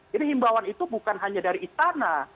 jadi himbauan itu bukan hanya dari istana